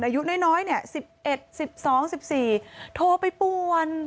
อายุน้อยเนี่ย๑๑๑๒๑๔โทรไปป่วน